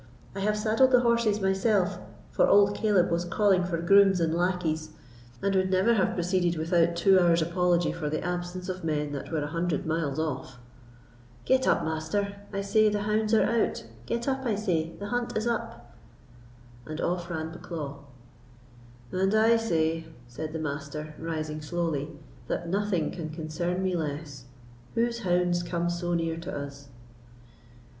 I have saddled the horses myself, for old Caleb was calling for grooms and lackeys, and would never have proceeded without two hours' apology for the absence of men that were a hundred miles off. Get up, Master; I say the hounds are out—get up, I say; the hunt is up." And off ran Bucklaw. "And I say," said the Master, rising slowly, "that nothing can concern me less. Whose hounds come so near to us?"